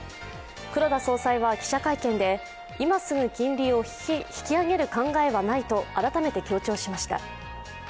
黒田総裁は記者会見で今すぐ金利を引き上げる考えはないと改めて強調しました。